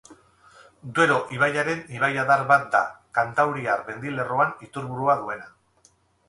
Duero ibaiaren ibaiadar bat da, Kantauriar mendilerroan iturburua duena.